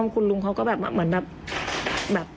คุณลุงเขาก็แบบเหมือนแบบ